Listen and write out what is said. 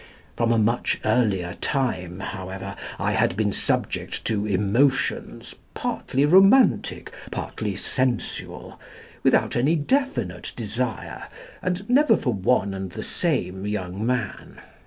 From a much earlier time, however, I had been subject to emotions, partly romantic, partly sensual, without any definite desire, and never for one and the same young man.